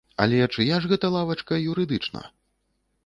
Але чыя ж гэта лавачка юрыдычна?